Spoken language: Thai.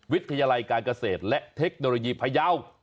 วิทยาลัยการเกษตรและเทคโนโลยีพยาว